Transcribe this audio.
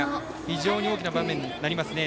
非常に大きな場面になりますね。